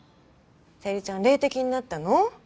さゆりちゃん、霊的になったの？